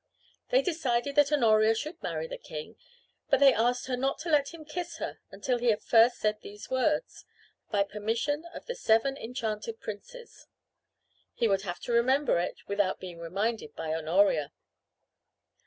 They decided that Honoria should marry the king, but they asked her not to let him kiss her until he had first said these words: "By permission of the seven enchanted princes." He would have to remember it without being reminded by Honoria.